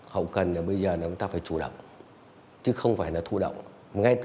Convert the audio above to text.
hậu cần bây giờ là chúng ta phải chủ động chứ không phải là thủ động